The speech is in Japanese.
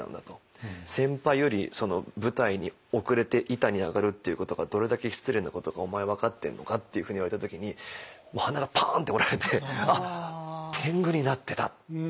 「先輩より舞台に遅れて板に上がるっていうことがどれだけ失礼なことかお前分かってるのか」っていうふうに言われた時に鼻がパンッて折られてあっ天狗になってた。